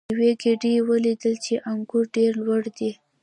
یوې ګیدړې ولیدل چې انګور ډیر لوړ دي.